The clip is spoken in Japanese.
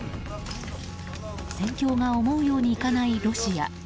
戦況が思うようにいかないロシア。